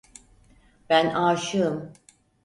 Ben aşığım.